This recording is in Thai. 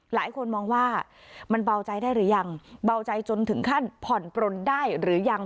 หลายคนมองว่ามันเบาใจได้หรือยังเบาใจจนถึงขั้นผ่อนปลนได้หรือยัง